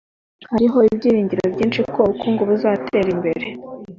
Hariho ibyiringiro byinshi ko ubukungu buzatera imbere.